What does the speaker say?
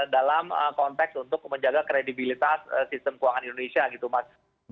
dalam konteks untuk menjaga kredibilitas sistem keuangan indonesia gitu mas